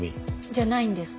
じゃないんですか？